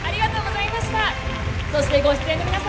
そしてご出演の皆様